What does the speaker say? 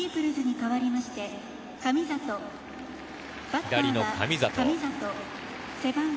左の神里。